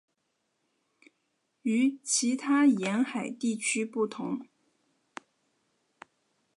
与其他沿海地区不同。